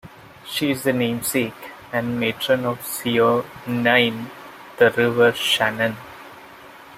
She is the namesake and matron of Sionainn, the River Shannon.